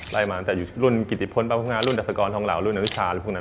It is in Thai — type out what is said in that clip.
ไล่มาตั้งแต่อยู่รุ่นกิจิพ้นป้าพุงฮารุ่นดักษกรทองเหลารุ่นนักศึกษาแล้วพวกนั้น